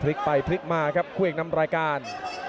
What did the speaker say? พลิกไปพลิกมาครับคู่เอกนำรายการ